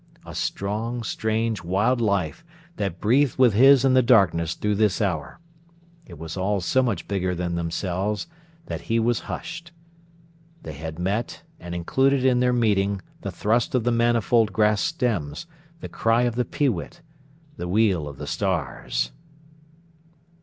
A strong, strange, wild life, that breathed with his in the darkness through this hour. It was all so much bigger than themselves that he was hushed. They had met, and included in their meeting the thrust of the manifold grass stems, the cry of the peewit, the wheel of the stars.